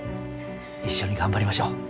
一緒に頑張りましょう。